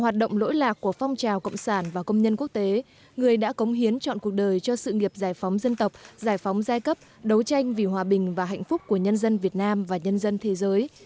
hoạt động lỗi lạc của phong trào cộng sản và công nhân quốc tế người đã cống hiến chọn cuộc đời cho sự nghiệp giải phóng dân tộc giải phóng giai cấp đấu tranh vì hòa bình và hạnh phúc của nhân dân việt nam và nhân dân thế giới